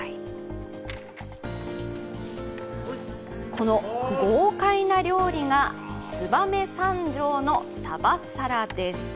この豪快な料理が、燕三条のサバサラです。